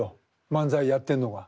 漫才やってんのが。